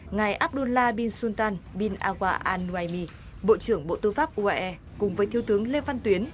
ngài abdullah bin sultan bin agha al nuaymi bộ trưởng bộ tư pháp uae cùng với thiếu tướng lê văn tuyến